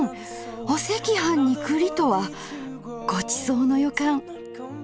お赤飯に栗とはごちそうの予感。